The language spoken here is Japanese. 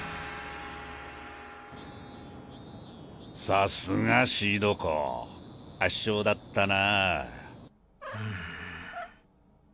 さすがシード校圧勝だったな。